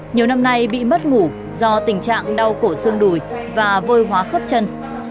nhiều năm nay bị mất ngủ do tình trạng đau cổ xương đùi và vôi hóa khớp chân